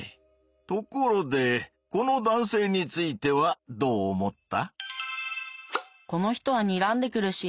ところでこの男性についてはどう思った？